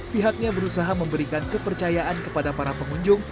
pihaknya berusaha memberikan kepercayaan kepada para pengunjung